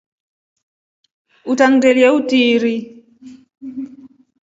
Utangindelye utiiri.